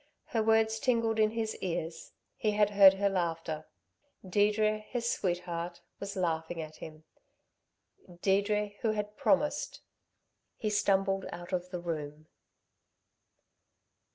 Her words tingled in his ears; he had heard her laughter Deirdre, his sweetheart, was laughing at him Deirdre who had promised He stumbled out of the room.